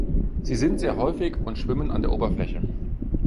Sie sind sehr häufig und schwimmen an der Oberfläche.